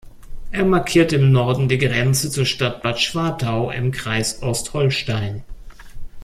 Er markiert im Norden die Grenze zur Stadt Bad Schwartau im Kreis Ostholstein.